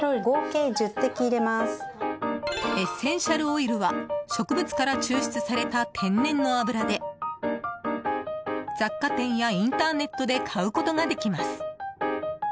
エッセンシャルオイルは植物から抽出された天然の油で雑貨店やインターネットで買うことができます。